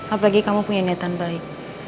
apalagi kamu punya niatan baik